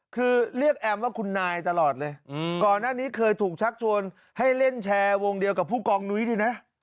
คือเรียกแอมว่าคุณนายตลอดเลยก่อนหน้านี้เคยถูกชักชวนให้เล่นแชร์วงเดียวกับผู้กองนุ้ยด้วยนะ